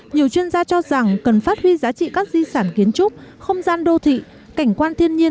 nhiều chuyên gia cho rằng cần phát huy giá trị các di sản kiến trúc không gian đô thị cảnh quan thiên nhiên